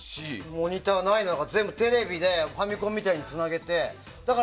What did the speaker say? モニターない中、テレビでファミコンみたいにつないで。